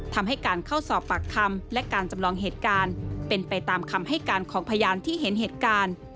ทำให้การเข้าสอบปากคำและการจำลองเหตุการณ์เป็นไปตามคำให้การของพยานที่เห็นเหตุการณ์